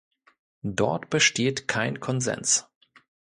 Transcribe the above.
Dort besteht kein Konsens.